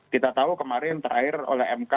kita tahu kemarin terakhir oleh mk